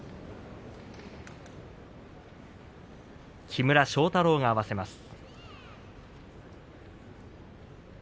木村庄太郎が合わせます。